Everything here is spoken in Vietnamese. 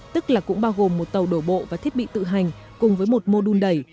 tức là cũng bao gồm một tàu đổ bộ và thiết bị tự hành cùng với một mô đun đẩy